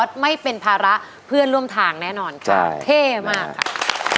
ไม่เป็นภาระเพื่อนร่วมทางแน่นอนค่ะเท่มากค่ะ